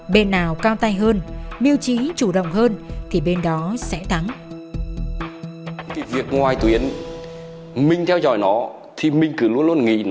bên nào cao tay hơn miêu chí chủ động hơn thì bên đó sẽ thắng